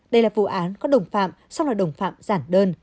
đây là vụ án có đồng phạm sau đó đồng phạm giản đơn